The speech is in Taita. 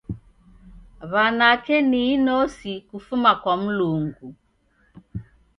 Wanake ni inosi kufuma kwa mlungu.